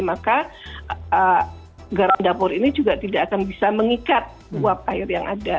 maka garam dapur ini juga tidak akan bisa mengikat uap air yang ada